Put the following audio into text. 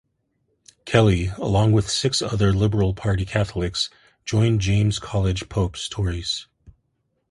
Kelly, along with six other Liberal party Catholics, joined James Colledge Pope's Tories.